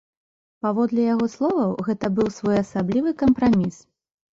Паводле яго словаў, гэта быў своеасаблівы кампраміс.